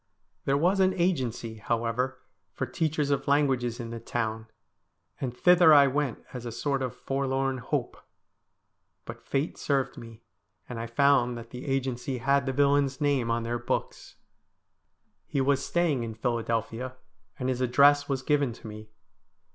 There was an agency, however, for teachers of languages in the town, and thither I went as a sort of forlorn hope. But fate served me, and I found that the agency had the villain's name on their books. He was THE STORY OF A HANGED MAN 287 staying in Philadelphia, and his address was given to nie.